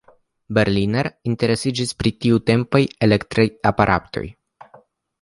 Berliner interesiĝis pri tiutempaj elektraj aparatoj.